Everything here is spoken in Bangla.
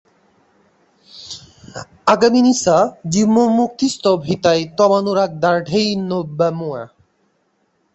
আগামিনী সা জীবন্মুক্তিস্তব হিতায় তবানুরাগদার্ঢ্যেনৈবানুমেয়া।